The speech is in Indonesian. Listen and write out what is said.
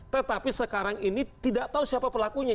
tetapi sekarang ini tidak tahu siapa pelakunya